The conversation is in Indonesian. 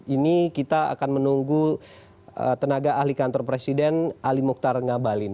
ini kita akan menunggu tenaga ahli kantor presiden ali mukhtar ngabalin